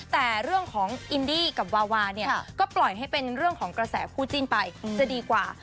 แต่เรื่องของอินดี้กับวาวาเนี่ยก็ปล่อยให้เป็นเรื่องของกระแสคู่จิ้นไปจะดีกว่า